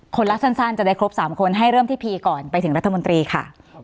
รักสั้นจะได้ครบ๓คนให้เริ่มที่พีก่อนไปถึงรัฐมนตรีค่ะ